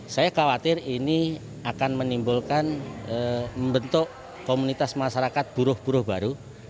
saya khawatir ini akan menimbulkan membentuk komunitas masyarakat buruh buruh baru